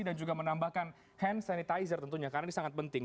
dan juga menambahkan hand sanitizer tentunya karena ini sangat penting